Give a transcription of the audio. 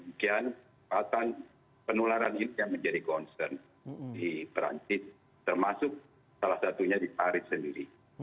dan kekuatan penularan itu yang menjadi concern di perancis termasuk salah satunya di paris sendiri